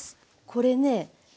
これね。